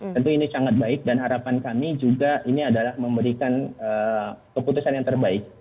tentu ini sangat baik dan harapan kami juga ini adalah memberikan keputusan yang terbaik